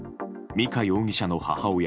美香容疑者の母親